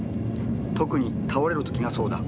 特に倒れる時がそうだ。